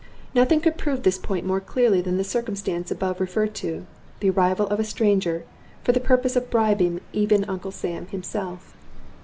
Nothing could prove this point more clearly than the circumstance above referred to the arrival of a stranger, for the purpose of bribing even Uncle Sam himself.